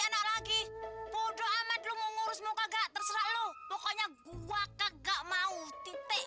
anak lagi bodo amat lu mau ngurus mau kagak terserah lo pokoknya gua kagak mau titik